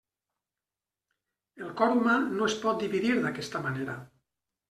El cor humà no es pot dividir d'aquesta manera.